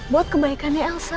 buat kebaikannya elsa